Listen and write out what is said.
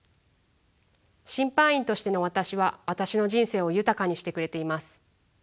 審判員としての私は私の人生を豊かにしてくれています。